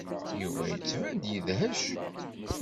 Yuba yettban-d yedhec.